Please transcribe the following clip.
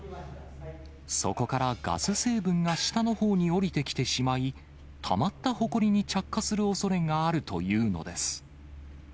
そこからガス成分が下のほうに下りてきてしまい、たまったほこりに着火するおそれがあるというのです。